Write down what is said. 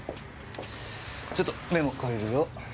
ちょっとメモ借りるよ。